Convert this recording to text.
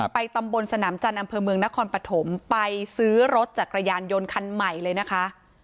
ตำบลสนามจันทร์อำเภอเมืองนครปฐมไปซื้อรถจักรยานยนต์คันใหม่เลยนะคะ